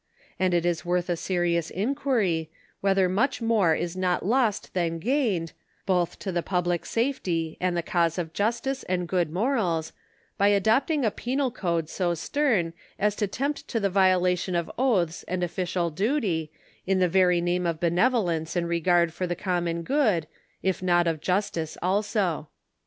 And it is worth a serious inquiry, whether much more is not lost than gained, both to the public safety and the cause of justice and good morals, by adopting a penal code so stern as to tempt to the violation of oaths and official duty, in the very name of benevolence and regard for the common good, if not of justice also.